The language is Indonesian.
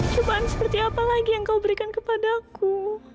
cobaan seperti apa lagi yang kau berikan kepada aku